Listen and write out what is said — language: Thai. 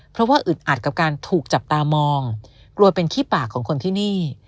เพราะว่าอึดอัดกับการถูกจับตามองกลัวเป็นขี้ปากของคนที่นี่